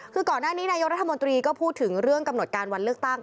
คือก่อนหน้านี้นายกรัฐมนตรีก็พูดถึงเรื่องกำหนดการวันเลือกตั้ง